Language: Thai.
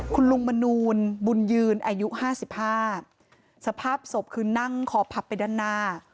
คุณลุงมนูลบุญยืนอายุห้าสิบห้าสภาพศพคือนั่งคอพับไปด้านหน้า